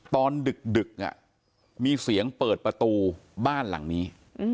ดึกมีเสียงเปิดประตูบ้านหลังนี้